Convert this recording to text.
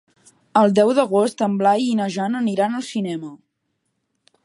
El deu d'agost en Blai i na Jana aniran al cinema.